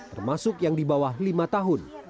termasuk yang di bawah lima tahun